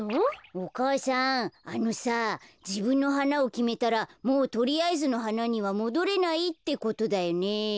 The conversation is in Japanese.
お母さんあのさじぶんのはなをきめたらもうとりあえずのはなにはもどれないってことだよね。